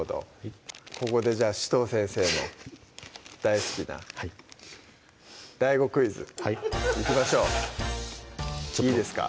ここでじゃあ紫藤先生の大好きなＤＡＩＧＯクイズいきましょういいですか？